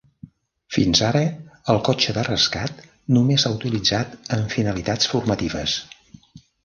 Fins ara, el cotxe de rescat només s'ha utilitzat amb finalitats formatives.